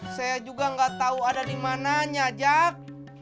saya juga gak tau ada dimananya jak